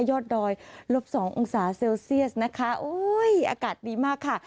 ยอดดอยลบสององศาเซลเซียสนะคะโอ้ยอากาศดีมากค่ะ